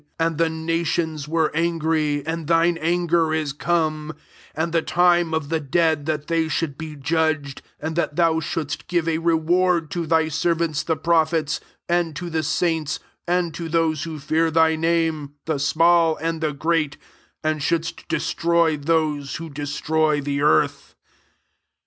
18 And the nations were an gry, and thine anger is come, and the time of the dead that they should be judged, and that thou shouldst give a re ward to thy servants the pro phets, and to the saints, and to those who fear thy name, the small and the great; and shouldst destroy those who des troy the earth."